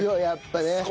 やっぱね。